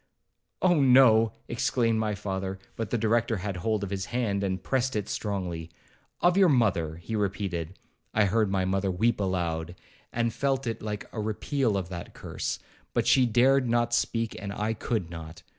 'Oh no!' exclaimed my father; but the Director had hold of his hand, and pressed it strongly. 'Of your mother,' he repeated. I heard my mother weep aloud, and felt it like a repeal of that curse; but she dared not speak, and I could not.